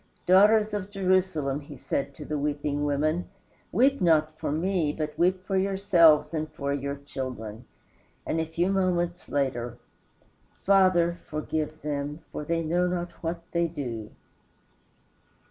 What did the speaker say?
"Daughters of Jerusalem," he said to the weeping women, "weep not for me, but weep for yourselves and for your children." And a few moments later, "Father, forgive them, for they know not what they do."